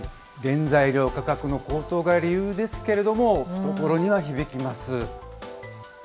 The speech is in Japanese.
原材料価格の高騰が理由ですけれども、懐には響きます。